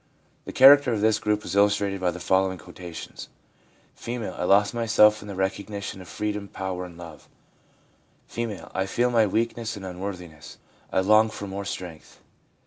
The character of this group is illustrated by the following quotations ; F, ' I lost myself in the recognition of freedom, power and love/ F. ' I feel my weakness and unworthiness ; I long for more strength.'